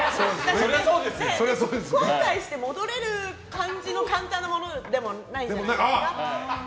後悔して、戻れる感じの簡単なものでもないじゃないですか。